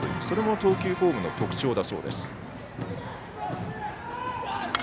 それも投球フォームの特徴だそうです。